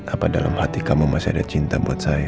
apa dalam hati kamu masih ada cinta buat saya